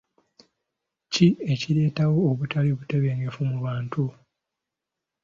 Ki ekireetawo obutali butebenkevu mu bantu?